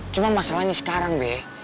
cuma masalahnya sekarang be